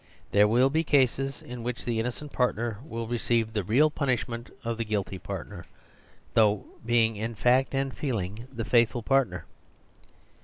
They will be cases in which the innocent part ner will receive the real punishment of the guilty partner, through being in fact and feel ing the faithful partner.